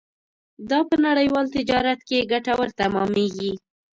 دا په نړیوال تجارت کې ګټور تمامېږي.